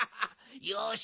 よし。